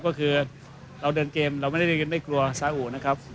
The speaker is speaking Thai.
ก็คือเราเดินเกมเราไม่ได้เดินเกมไม่กลัวสาอุนะครับ